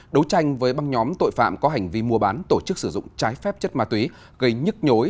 đấu tranh với băng nhóm tội phạm có hành vi mua bán tổ chức sử dụng trái phép chất ma túy gây nhức nhối